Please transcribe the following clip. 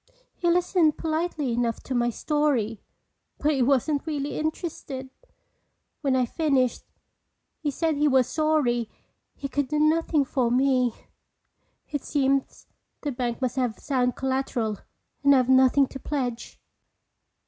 "He listened politely enough to my story but he wasn't really interested. When I finished he said he was sorry he could do nothing for me. It seems the bank must have sound collateral and I've nothing to pledge."